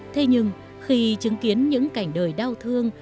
thế nhưng khi chứng kiến những cảnh đời đau thương